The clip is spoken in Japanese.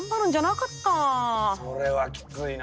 それはきついな。